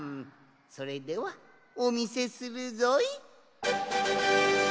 それではおみせするぞい！